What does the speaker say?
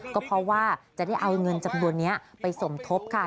ก็เพราะว่าจะได้เอาเงินจำนวนนี้ไปสมทบค่ะ